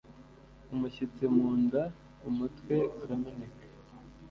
umushyitsi mu nda umutwe urameneka